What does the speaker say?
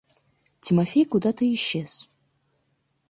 Тимофей куда-то исчез.